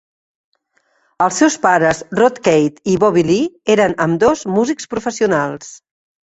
Els seus pares, Rodd Keith i Bobbie Lee, eren ambdós músics professionals.